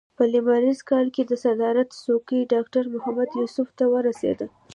په لمریز کال کې د صدارت څوکۍ ډاکټر محمد یوسف ته ورسېده.